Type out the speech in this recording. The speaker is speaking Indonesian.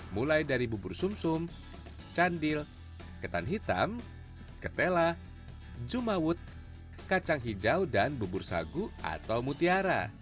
mulai dari bubur sum sum candil ketan hitam ketela jumawut kacang hijau dan bubur sagu atau mutiara